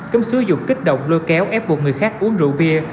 cấm sử dụng kích động lôi kéo ép buộc người khác uống rượu bia